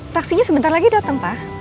taksinya sebentar lagi datang pak